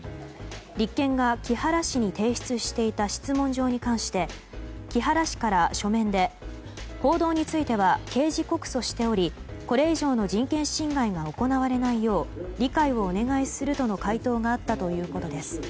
立憲が木原氏に提出していた質問状に関して木原氏から書面で報道については刑事告訴しておりこれ以上の人権侵害が行われないよう理解をお願いするとの回答があったということです。